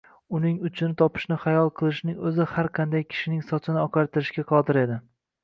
uning uchini topishni xayol qilishning o‘zi har qanday kishining sochini oqartirishga qodir edi.